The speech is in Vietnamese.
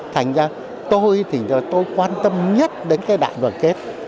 thành ra tôi thì tôi quan tâm nhất đến cái đại đoàn kết